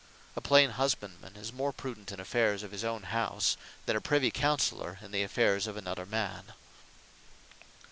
A plain husband man is more Prudent in affaires of his own house, then a Privy Counseller in the affaires of another man.